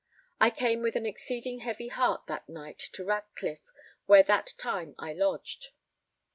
I came with an exceeding heavy heart that night to Ratcliff, where that time I lodged.